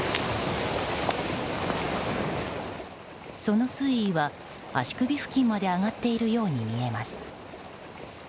その水位は足首付近まで上がっているように見えます。